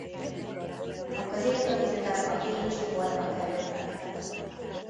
A középdöntőben a B csoportba kerültek.